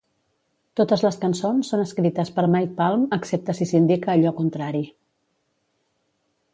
Totes les cançons són escrites per Mike Palm, excepte si s"indica allò contrari.